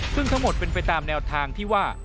ซึ่งทั้งหมดเป็นไปตามแนวทางที่ว่า